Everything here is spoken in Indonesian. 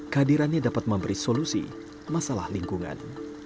kehadirannya dapat memberi solusi masalah lingkungan